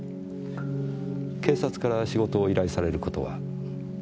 警察から仕事を依頼される事は？